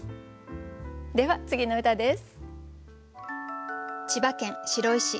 では次の歌です。